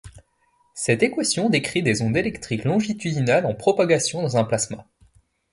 Cette équation décrit des ondes électriques longitudinales en propagation dans un plasma.